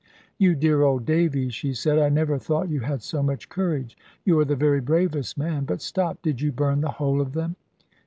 "You dear old Davy," she said, "I never thought you had so much courage. You are the very bravest man but stop, did you burn the whole of them?"